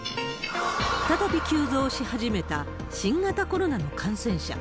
再び急増し始めた新型コロナの感染者。